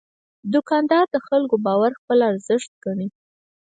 دوکاندار د خلکو باور خپل ارزښت ګڼي.